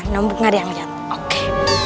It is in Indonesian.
nah nomboknya dia lihat oke